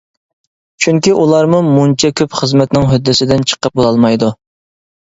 چۈنكى ئۇلارمۇ مۇنچە كۆپ خىزمەتنىڭ ھۆددىسىدىن چىقىپ بولالمايدۇ.